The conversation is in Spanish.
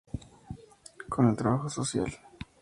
Con el Trabajo Social.